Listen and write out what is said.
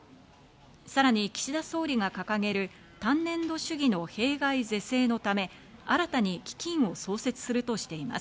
さらに岸田総理が掲げる単年度主義の弊害是正のため、新たに基金を創設するとしています。